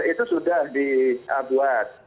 itu sudah dibuat